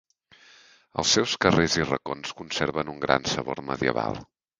Els seus carrers i racons conserven un gran sabor medieval.